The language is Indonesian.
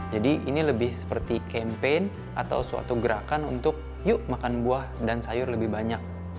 ini lebih seperti campaign atau suatu gerakan untuk yuk makan buah dan sayur lebih banyak